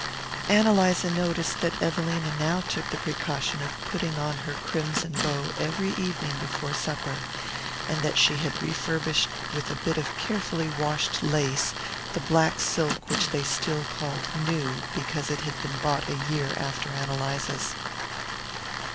Ann Eliza noticed that Evelina now took the precaution of putting on her crimson bow every evening before supper, and that she had refurbished with a bit of carefully washed lace the black silk which they still called new because it had been bought a year after Ann Eliza's.